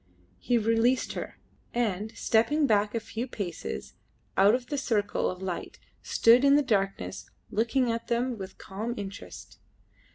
He released her, and, stepping back a few paces out of the circle of light, stood in the darkness looking at them with calm interest.